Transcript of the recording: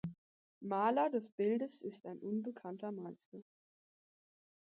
Maler des Bildes ist ein unbekannter Meister.